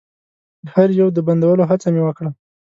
د هر يو د بندولو هڅه مې وکړه.